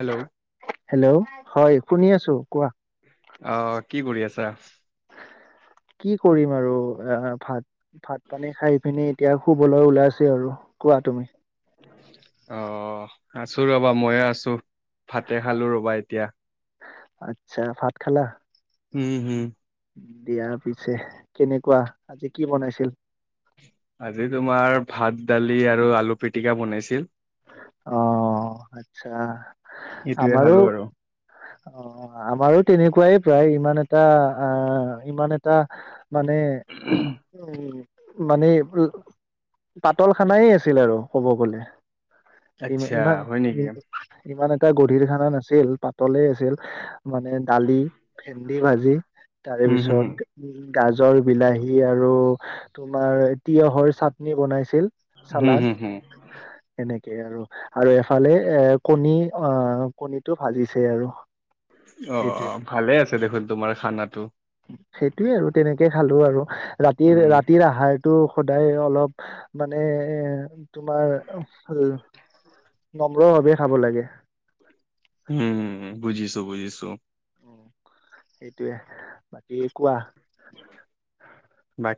Hello hello হয় শুনি আছো কোৱা আহ কি কৰি আছা? [inaudible] কি কৰিম আৰু এ ভাত ভাত পানী খাই পিনি এতিয়া শুবলৈ ওলাইছে আৰু কোৱা তুমি অ আছো ৰবা মইও আছো ভাতে খালো ৰবা এতিয়া আচ্ছা ভাত খলা উম হুম দিয়া পিছে কেনেকোৱা আজি কি বনাইছিল আজি তোমাৰ ভাত দালি আৰু আলু পিটিকা বনাইছিল অ আচ্ছা সেইটোৱে আমাৰো খালো আৰু অ আমাৰো তেনেকুৱাই প্ৰায় ইমান এটা আহ ইমান এটা মানে উম উ মানে পাতল খানাই আছিল আৰু ক'ব গলে ইমান আচ্ছা ইমান হয় নেকি ইমান এটা গধীৰ খানা নাছিল পাতলে আছিল মানে দালি ভেন্দি ভাজি তাৰ উম হুম হুম পিছত উম গাজৰ বিলাহী আৰু তোমাৰ তিয়হৰ চাটনি বনাইছিল হম হম হম সনেকে আৰু আৰু এফালে এ কণী অ কণীটো ভাজিছে আৰু সেইটোৱে আহ ভালে আছে দেখোন তোমাৰ খানাটো সেইটোৱে আৰু তেনেকে খালো আৰু ৰাতিৰ উম ৰাতিৰ আহাৰ তো সদায় অলপ মানে এ তোমাৰ উ নম্ৰ ভাৱে খাব লাগে উম বুজিছো বুজিছো অ সেইটোৱে বাকী কোৱা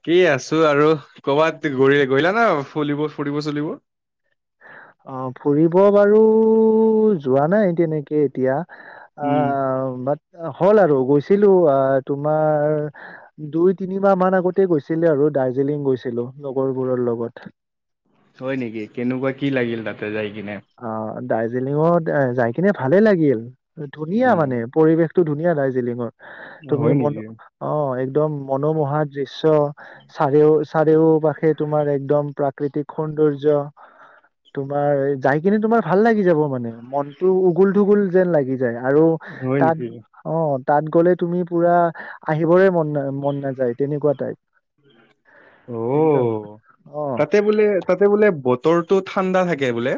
কি আছো আৰু কৰ'বাত গৰি গৰিলা না ফুলিব ফুৰিব চলিব অ ফুৰিব বাৰু যোৱা নাই তেনেকে এতিয়া অ উম বাট হ'ল আৰু গৈছিলো অ তোমাৰ দুই তিনিমাহ মান আগতে গৈছিলে আৰু দাৰ্জিলিং গৈছিল ছিলো লগৰবোৰৰ লগত। হয় নেকি কেনেকুৱা কি লাগিল তাতে যাই। কিনে অ দাৰ্জিলিঙত যাই কিনে ভালে লাগিল, ধুনীয়া উম মানে পৰিৱেশ ধুনীয়া দাৰ্জিলিঙৰ তুমি হয় ম নেকি অ একদম মনোমোহা দৃশ্য চাৰেিও চাৰেিও পাশে তোমাৰ একদম প্ৰাকৃতিক সুন্দ সৌন্দৰ্য তোমাৰ এই যাই কিনে তোমাৰ ভাল লাগি যাব মানে মনটো উগুল ঢুগুল যেন লাগি য আৰু হয় তাত নেকি অ তাত গলে তুমি পুৰা আহিবৰে মন মন নাযায় তেনেকুৱা টাইপ অ একদম অ তাতে বোলে তাতে বোলে ব- তৰো ঠাণ্ডা থাকে বোলে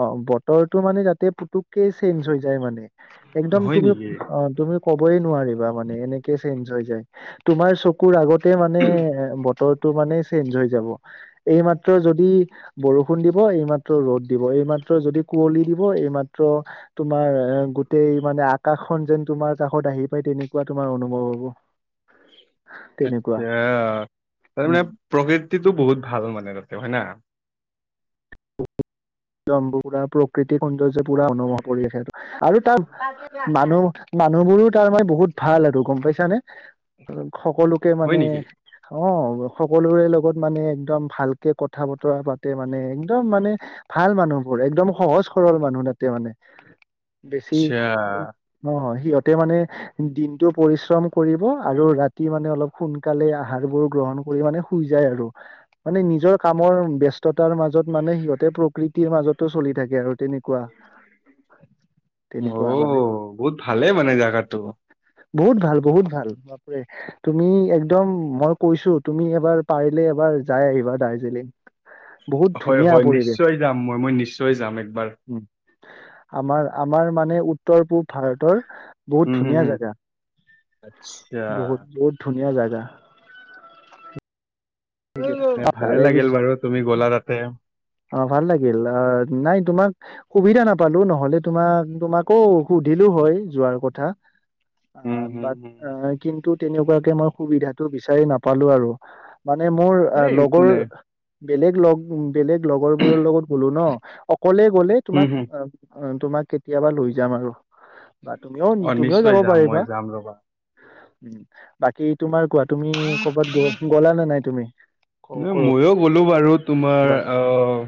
অ বতৰটো মানে যাতে পুতুককে চেঞ্জ হৈ যায় মানে একদম হয় তুমি নেকি? অ তুমি কবই নোৱাৰিবা মানে এনেকে চেঞ্জ তোমাৰ চকুৰ আগতে মানে বতৰত তো মানে চেঞ্জ হৈ যাব এই মাত্ৰ যদি বৰষুণ দিব এই মাত্ৰ ৰ'দ দিব এইমাত্ৰ যদি কুঁৱলী দিব এইমাত্ৰ তোমাৰ গোটেই মানে আকাশ ন যেন তোমাৰ কাষত আহি পাই তেনেকুৱা তোমাৰ অনুভৱ হ'ব আচ্ছা তেনেকুৱা তাৰ মানে উম প্ৰকৃতিটো বহুত ভাল মানে হয় ন [unintelligible] জম পুৰা প্ৰকৃতি সৌন্দৰ্য পুৰা অনুভ পৰি আছে আৰু তাত মানুহ মানুহবোৰো তাৰমানানে বহুত ভাল আৰু গম পাইছানে সকলোকে হয় মানে নেকি? অ সকলোৰে লগত মানে একদম ভালকে কথা বতৰা পাতে মানে একদম মানে ভাল মানুহবোৰ একদম সহজ সৰল মানুহ তাতে মানে বেছি আচ্ছা ন হয়। সিহতে মানে দিনটো পৰিশ্ৰম কৰিব আৰু ৰাতি মানে অলপ সোনকালে আহাৰ বোৰ গ গ্ৰণ কৰি মানে শুই যায় আৰু। মানে নিজৰ কামৰ ব্যস্ততাৰ মাজত মানে সিহঁতে প্ৰকৃতিৰ মাজতো চলি থাকে আৰু। তেনেকুৱা তেনেকুৱা মানে আহ বহুত ভালেই মানে জোগাতটো। বহুত ভাল বহুত ভাল বাপৰে তুমি একদম মই কৈছো তুমি এবাৰ পাৰিলে এবাৰ যাই আহিবা দাৰ্জিলিং। বহুত হয়- ধুনীয়া হয় পৰিৱেশ নিশ্চয় যাম মই মই নিশ্চয় যাম একবাৰ উম আমাৰ- আমাৰ মানে উত্তৰ পূব ভাৰতৰ উম বহুত হুম ধুনীয়া হুম জেগা আচ্ছা বহুত বহুত ধুনীয়া জেগা। [unintelligible] ন ভালে তাৰে পিছ লাগিল বাৰু তুমি গ'লা তাতে অ ভাল লাগিল অ নাই তোমাক সুবিধা নাপালো নহলে তোমাক তোমাকো সুধ ধিলো হয় যোৱাৰ কথা। উম আহ হুম বাট হুম কিন্তু তেনেকুৱাকে মই সুবিধাটো বিচাৰি নাপালো আৰু মানে মোৰ এ একো লগৰ নাই। বেলেগ লগ বেলেগ লগৰ বোৰৰ লগত ব'লো ন কলে গ'লে উম তোমাক হুম তোমাক কেতিয়াবা লৈ যাম আৰু বা তুমিও অ' তুমিও নিশ্চয় যাব যাম মই পাৰিবা। যাম ৰ'বা। উ বাকী তোমাৰ কোৱা তুমি কৰ'বাত গ গলা নে নাই তুমি ন ক- কৰ মইয়ো গ'লো বাৰু তোমাৰ আহ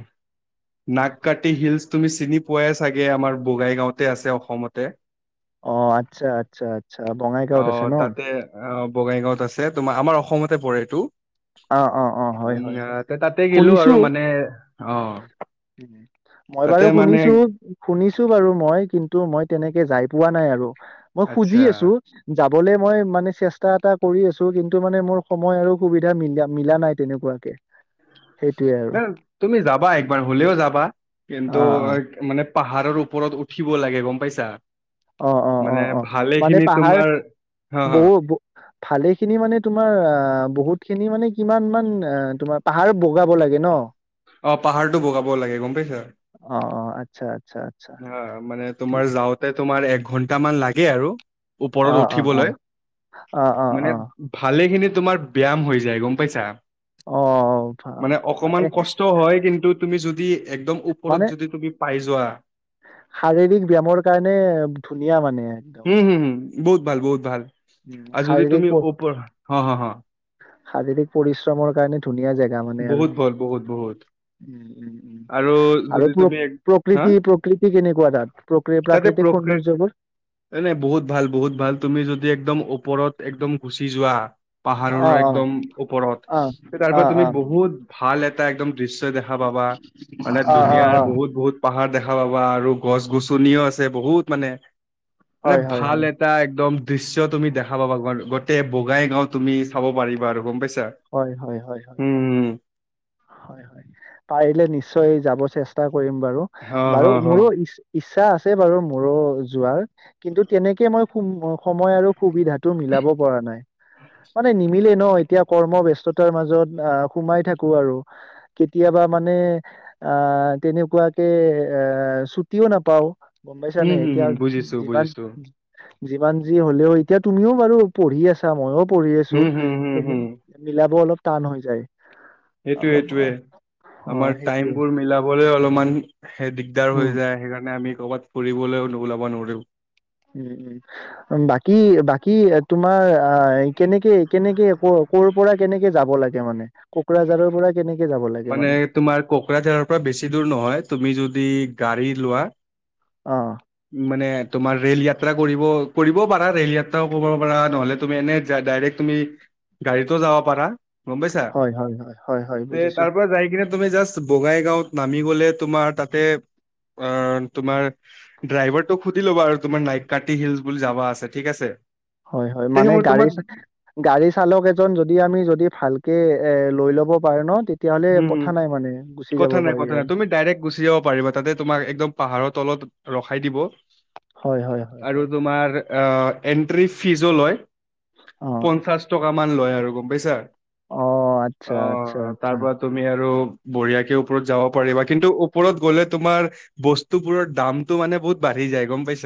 নাগ কাটি হিলচ তুমি চিনি পোৱাই চাগে আমাৰ বগাই গাঁওতে আছে অসমতে অ আচ্ছা আচ্ছা আচ্ছা বঙাইগাঁৱত আছে আহ ন? তাতে আহ বগাইগাঁওত আছে তোমাৰ আমাৰ অসম অসমতে পৰে এইটো অ অ অ হয় উম হয় হয় তাতে গিলো আৰু শুনিছো। মানে অ মই তাতে বাৰু মানে শুনিছোঁ, শুনিছোঁ বাৰু মই কিন্তু মই তেনে যাই পোৱা নাই আৰু, মই আচ্ছা খুজি আছো যাবলৈ মই মানে চেষ্টা এটা কৰি আছোঁ, কিন্তু মানে মোৰ সময় আৰু সুবিধা মিলা মিলা নাই তেনেকুৱাকে। সেইটোয়ে আৰু না' তুমি যাবা একবাৰ হ'লেও যাবা, অ কিন্তু অ মানে পাহাৰৰ ওপৰত উঠিব লাগে গম পাইছা? অ অ অ মানে অ মানে ভালেখিনি পাহাৰ তোমাৰ হা হা বহুত, ভালেখিনি মানে তোমাৰ আহ বহুত, খিনি মানে কিমান মান অ তোমাৰ পাহাৰ বগাব লাগে ন? অ পাহাৰটো বগাব লাগে গম পাইছা? অ আচ্ছা আচ্ছা আচ্ছা অহ মানে ঠিক তোমাৰ যাওঁতে তোমাৰ এ ঘন্টা মান লাগে আৰু অ ওপৰত অ অ উঠিবলৈ, অ অ মানে ভালেখিনি তোমাৰ ব্যায়াম হৈ যায় গম পাইছা। অ' ওঠা মানে অকমান নে কষ্ট হয় কিন্তু, তুমি যদি একদম ওপৰত মানে যদি তুমি পাই যোৱা শাৰীৰিক ব্যয়ামৰ কাৰণে ধুনীয়া মানে একদম, হম হম হম বহুত ভাল অ' বহুত ভাল উম আৰু যদি শাৰীৰিক তুমি ওপৰ হ হ হ শাৰীৰিক পৰিশ্ৰমৰ কাৰণে ধুনীয়া জেগা মানে আৰু, বহুত ভাল বহুত বহুত উম' উম' আৰু যদি আৰু প্ৰ তুমি এক হা প্ৰকৃতি- প্ৰকৃতি কেনেকুৱা তাত প্ৰকৃ প্ৰাকৃতিক সৌন্দৰ্যবোৰ? এনে বহুত ভাল বহুত ভাল, তুমি যদি একদম ওপৰত একদম গুচি যোৱা অ পাহাৰৰ অ একদম ওপৰত, অ তাৰ অ পৰা তুমি অ বহুত ভাল এটা এটা একদম দৃশ্য দেখা পাবা, মানে অ অ অ অ দুুনীয়াৰ বহুত- বহুত পাহাৰ দেখা পাবা আৰু গছ-গছনিও আছে বহুত, মানে মানে হয় হয় ভাল হয় এটা একদম দৃশ্য তুমি দেখা পাবা। তে বঙাই গাওঁ তুমি চাব পাৰিবা আৰু গম পাইছ? হয়, হয়, হয়, হয়, হয়, হয়, হয় পাৰিলে নিশ্চয় নিশ্চয় যাব চেষ্টা কৰিম বাৰু, হ হ বাৰু হ মোৰো ইচ ইচ ইচ্ছা আছে বাৰু মোৰো যোৱাৰ কিন্তু তেনেকে মই সময় আৰু সুবিধাটো মিলাব পৰা নাই, মানে নিমিলে ন এতিয়া কৰ্ম ব্যস্ততাৰ মাজত আহ সোমাই থাকোঁ আৰু, কেতিয়াবা মানে আহ তেনেকুৱাকে এ ছুটিও নাপাওঁ। গম পাইছা নে উম হম এতিয়া হম বুজিছো যিমান বুজিছো যিমান যি হ'লেও, এতিয়া তুমিও বাৰু পঢ়ি আছা মইও পঢ়ি আছো হম হম হম হম মিলাব অলপ টান হৈ যায়। সেইটোয়ে অলপ সেইটোয়ে আহ' আমাৰ টাইম বোৰ মিলাবলৈ অলপমান দিগদাৰ হৈ উম যায়, সেইকাৰণে আমি ক'ৰবাত ফুৰিবলৈ ওলাব নোৱাৰোও। উম' উম' বাকী বাকী তোমাৰ আহ কেনেকে কেনেকে ক কৰ পৰা কেনেকে যাব লাগে মানে, কোকৰাঝাৰৰ পৰা কেনেকে যাব লাগে মানে তোমাৰ কোকৰাঝাৰৰ পৰা বেছি দূৰ নহয়, তুমি যদি গাড়ী লোৱা অ মানে তোমাৰ ৰেল ইয়াত যাত্ৰা কৰিব পাৰা, ৰেল যাত্ৰাও কৰিব পাৰা নহ'লে তুমি এনে ডাইৰেক্ট তুমি গাড়ীতো যাব পাৰা। গম পাইছা হয় হয় হয় হয় হয় তে বুজিছোঁ। তাৰ পৰা যাই কিনে তুমি জাষ্ট বঙাইগাঁওত নামি বলে তোমাৰ তাতে অ তোমাৰ ড্ৰাইভাৰটো সুধি লবা, তোমাৰ নাইতকাতি হিলচ বুলি যাবা আছে ঠিক আছে। হয় হয় তে মানে সি মোৰ গাড়ী, তোমাক গাড়ী চালক এজন যদি আমি যদি ভালকে এ লৈ ল'ব পাৰে ন, তেতিয়া হ'লে হম কথা হম নাই মানে? গুচি যাব কথা নাই পাৰি কথা নাই, আৰু তুমি ডাইৰেক্ট গুচি যাব পাৰিবা তাতে তোমাক একদম পাহাৰৰ তলত ৰখাই দিব হয় হয় হয় আৰু হয় তোমাৰ আহ এন্ট্ৰি ফিজো লয় অ পঞ্চাছ টকা মান লয় আৰু গম পাইছা অ অ আচ্ছা-আচ্ছা তাৰ পৰা তুমি আৰু বঢ়িয়াকে ওপৰত যাব পাৰিবা কিন্তু ওপৰত গলে তোমাৰ বস্তুবোৰৰ দামটো মানে তাতে বহুত বাঢ়ি যায় গম পাইছা।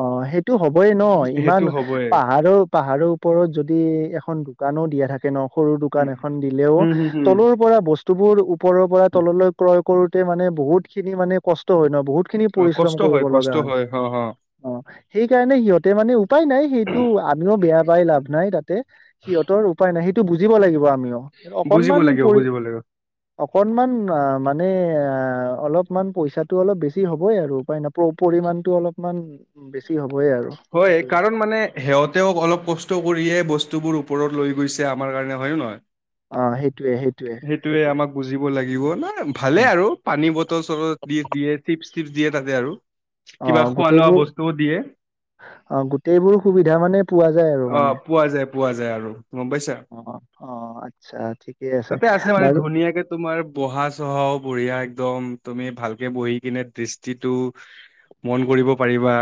অ সেইটো হ'বই ন ইমান সেইটো হ'বই পাহাৰৰ পাহাৰৰ ওপৰত যদি এখন দোকান দোকানো দিয়া থাকে ন সৰু দোকান উম, এখন দিলেও হম হম হম তলৰ পৰা বস্তু। বস্তুবোৰ ওপৰৰ পৰা তললৈ ক্ৰয় কৰোঁতে মানে বহুতখিনি মানে কষ্ট হয় ন বহুত। বহুতখিনি অ পৰিশ্ৰম কষ্ট কৰিব কষ্ট লগা হয়। হ হ সেই কাৰণে সিহঁতে মানে উপায় নাই সেইটো আমিও বেয়া পাই লাভ নাই তাতে সিহঁতৰ উপায় উপায় নাই সেইটো বুজিব লাগিব আমিও বুজিব অকণমান লাগিব পৰি বুজিব লাগিব অকণমান আহ মানু মানে অ অলপমান পইচাটো অলপ বেছি হ'বই আৰু উপায় পৰিমাণটো অলপমান বেছি হ'ব হয় কাৰণ মানে সিহঁতেও অলপ কষ্ট কৰিয়েই বস্তু বস্তুবোৰ ওপৰত লৈ গৈছে আমাৰ কাৰণে হয় নে নহয়। অ সেইটোৱেই। সেইটোৱেই আমাক বুজিব লাগিব ন ভালে আৰু পানী বটল-চটল দি দিয়ে চিপছ চিপছ দিয়ে তাতে আৰু অ কিবা খোৱা লোৱা গোটেইবোৰ বস্তুও দিয়ে অ গোটেইবোৰ সুবিধা মানে পোৱা যায় আৰু আহ মানে পোৱা যায় পোৱা যায় আৰু গম পাইছা। অ অ আচ্ছা ঠিকে তাতে আছে মানে বাৰু ধুনীয়াকে তোমাৰ বহা-চহাও বঢ়িয়া একদম। তুমি ভালকে বহি কিনে দৃষ্টিটো মন কৰিব পাৰিবা।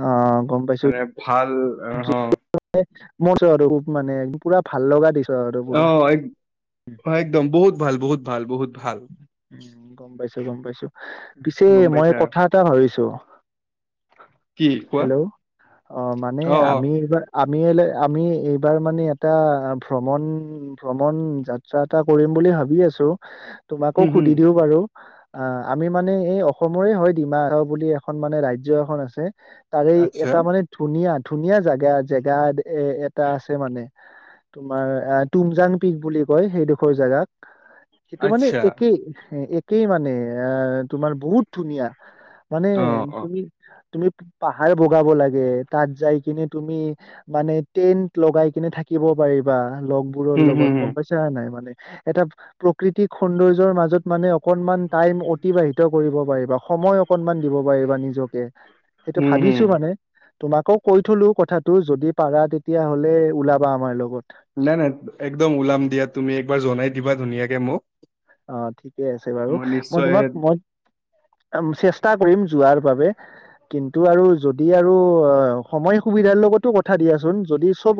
অ গম পাইছোঁ। মানে ভাল অ [unintelligible] মোৰ চ আৰু মানে পুৰা ভাল লগা দৃশ্য। অ এক একদম বহুত ভাল বহুত ভাল বহুত ভাল। উম গম পাইছো গম পাইছো পিছে গম মই পাইছা কথা এটা ভাবিছো কি কোৱা হেল্ল' অ মানে অ অ আমি এইবাৰ আমি এলে-আমি এইবাৰ মানে এটা ভ্ৰমণ-ভ্ৰমণ যাত্ৰা এটা কৰিম বুলি ভাবি আছোঁ তোমাকো হম হম সুধি দিও বাৰু আ আমি মানে এই অসমৰে হয় ডিমা হাৰাও বুলি এখন মানে ৰাজ্য এখন আছে তাৰে এই আচ্ছা এটা মানে ধুনীয়া ধুনীয়া জাগা-জেগা এ এটা আছে মানে তোমাৰ আহ তুমজাং পিক বুলি কয় সেইডোখৰ জেগাক সেইটো মানে আচ্ছা একেই-একেই মানে আহ তোমাৰ বহুত ধুনীয়া মানে অ অ তুমি তুমি পাহাৰ বগাব লাগে তাত যাই কিনে তুমি মানে টেন্ট লগাই কিনে থাকি থাকিব পাৰিবা লগবোৰৰ হম হম লগত হম গম পাইছা নে নাই মানে এটা প্ৰকৃতিক সৌন্দৰ্যৰ মাজত মানে অকনমান টাইম অতিবাহিত কৰিব পাৰিবা সময় অকনমান দিব পাৰিবা নিজকে সেইটো হম হম ভাবিছো মানে তোমাকো কৈ থলো কথাটো যদি পাৰা তেতিয়াহ'লে ওলাবা আমাৰ লগত। নাই-নাই একদম ওলাম দিয়া তুমি একবাৰ জনাই দিবা ধুনীয়াকে মোক অ ঠিকে আছে বাৰু মই তোমাক মই অম চেষ্টা কৰিম যোৱাৰ বাবে কিন্তু আৰু যদি আৰু অ সময় সুবিধাৰ লগতো কথা দিয়াচোন যদি চব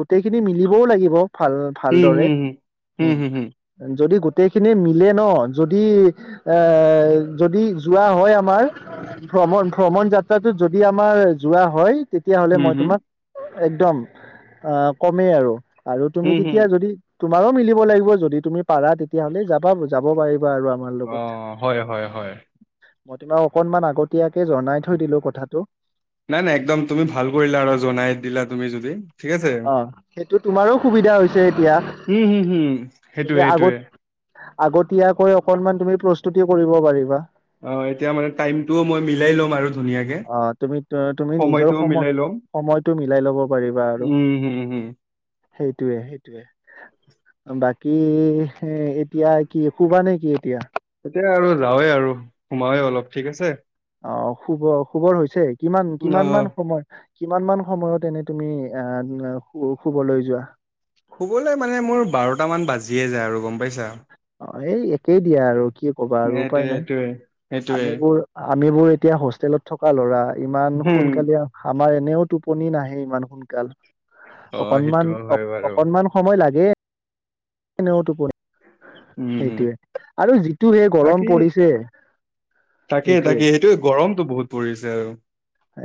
গোটেইখিনি মিলিবও লাগিব ভাল হম ভালদৰে হম হম উম হম হম যদি গো গোটেইখিনি মিলে ন যদি এ যদি যোৱা হয় আমাৰ ভ্ৰমণ-ভ্ৰমণ যাত্ৰাটোত যদি আমাৰ যোৱা হয় তেতিয়া হলে হম মই হম তোমাক একদম আহ কমেই আৰু আৰু তুমি হম হম তেতিয়া যদি তোমাৰো মিলিব লাগিব যদি তুমি পাৰা তেতিয়াহলে যাবা যাব পাৰি বা আৰু আমাৰ অ লগত হয় হয় হয় মই তোমাক অকনমান আগতীয়াকে জনাই থৈ দিলো কথাটো নাই নাই একদম তুমি ভাল কৰিলা আৰু জনাই দিলা তুমি যদি ঠিক আছে অ সেইটো তোমাৰো সুবিধা হৈছে এতিয়া উম হুম তুমি সেইটোয়ে আগত সেইটোয়ে আগতীয়াকৈ অকনমান তুমি প্ৰস্তুতি কৰিব পাৰিবা অ এতিয়া মানে টাইমটোও মই মিলাই ল'ম আৰু ধুনীয়াকে আহ তুমি তুমি নিজৰ সময়টোও সময় মিলাই লম সময়টো মিলাই ল'ব পাৰিবা আৰু উম হুম সেইটোৱে সেইটোয়ে বাকী এ এতিয়া কি শুবা নেকি এতিয়া সোমায়েই অলপ ঠিক আছে অ শুব শুবৰ হৈছে কিমান অ কিমান মান সময় কিমান মান সময়ত এনে তুমি আহ এ হো শুবলৈ যোৱা শুবলৈ মানে মোৰ বাৰটা মান বাজিয়ে যায় আৰু গম পাইছা অ এই একেই দিয়া আৰু কি কবা আৰু সেইটোয়ে উপায় নাই সেইটোয়ে সেইটোয়ে আমিবোৰ আমিবোৰ এতিয়া হোষ্টেলত থকা ল'ৰা ইমান হম সোনকালে হাপ আমাৰ এনেও টোপনি নাহে ইমান সোনকাল অ সেইটো অকনমান অ হয় বাৰু অকনমান সময় লাগে কিন্তু টুপনি উম উম সেই গৰম বাকী পৰিছে তাকেই তাকেই সেইটোয়ে গ গৰমটো বহুত পৰিছে আৰু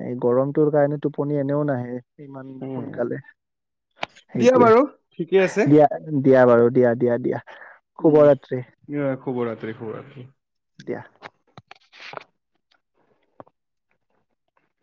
এ গৰমটোৰ কাৰণে টোপনি এনেও নাহে ইমান উম সোনকালে দিয়া সেইটোৱে বাৰু ঠিকে আছে দিয়া দিয়া বাৰু দিয়া দিয়া দিয়া উম শুভৰাত্ৰি ইয়ে শুভ ৰাত্ৰি হোৱা কি দিয়া